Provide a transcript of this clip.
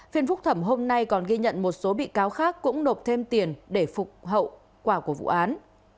phiên phúc thẩm hôm nay còn ghi nhận một số bị cáo khác cũng nộp thêm tiền để phục hậu quả của vụ án